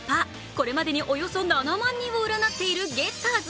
これまでに、およそ７万人を占っているゲッターズ